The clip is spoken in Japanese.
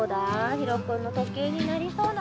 ひろくんのとけいになりそうな